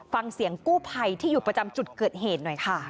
ฟังเสียงกู้ภัยที่อยู่ประจำจุดเกิดเหตุหน่อยค่ะ